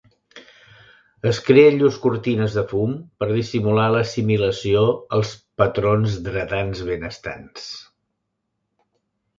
Es creen llurs cortines de fum per dissimular l'assimilació als patrons dretans benestants.